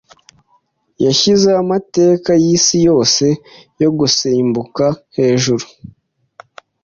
Yashyizeho amateka yisi yose yo gusimbuka hejuru.